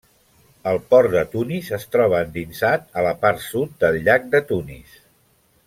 El port de Tunis es troba endinsat a la part sud del llac de Tunis.